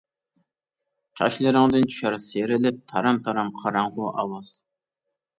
چاچلىرىڭدىن چۈشەر سىيرىلىپ، تارام-تارام قاراڭغۇ ئاۋاز.